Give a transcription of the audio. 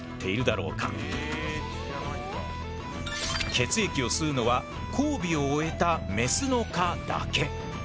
血液を吸うのは交尾を終えたメスの蚊だけ。